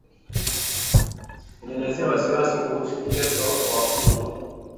Inaelezea wasiwasi kuhusu kuteswa kwa wafungwa